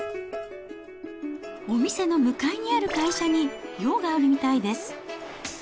お店の向かいにある会社に用があるみたいです。